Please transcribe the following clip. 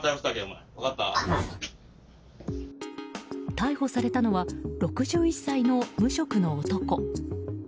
逮捕されたのは６１歳の無職の男。